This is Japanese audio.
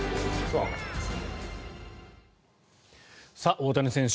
大谷選手